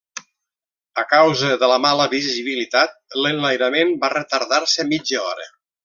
A causa de la mala visibilitat, l'enlairament va retardar-se mitja hora.